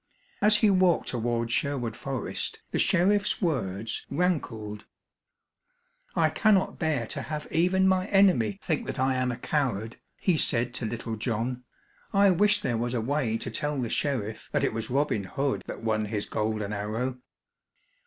As he walked toward Sherwood Forest, the sheriff's words rankled. "I cannot bear to have even my enemy think that I am a coward," he said to Little John. "I wish there was a way to tell the sheriff that it was Robin Hood that won his golden arrow."